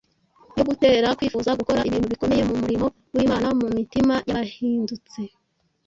yo gutera kwifuza gukora ibintu bikomeye mu murimo w’Imana mu mitima y’abahindutse